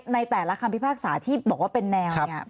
ในแต่ละคำพิพากษาที่บอกว่าเป็นแนวเนี่ย